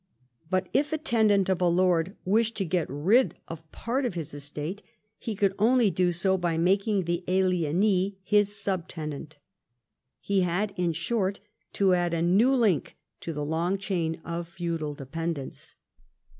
But if a tenant of a lord wished to get rid of part of his estate, he could only do so by making the alienee his subtenant. He had, in short, to add a new link to the long chain of feudal dependence.